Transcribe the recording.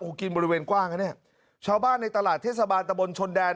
กินบริเวณกว้างนะเนี่ยชาวบ้านในตลาดเทศบาลตะบนชนแดน